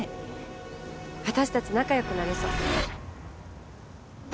私たち仲良くなれそう。